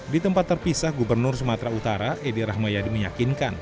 di tempat terpisah gubernur sumatera utara edi rahmayadi meyakinkan